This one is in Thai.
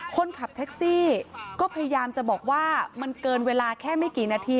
คนขับแท็กซี่ก็พยายามจะบอกว่ามันเกินเวลาแค่ไม่กี่นาที